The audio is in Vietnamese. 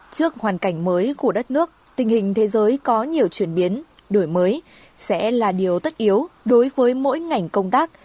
trước hoàn cảnh mới của đất nước tình hình thế giới có nhiều chuyển biến đổi mới sẽ là điều tất yếu đối với mỗi ngành công tác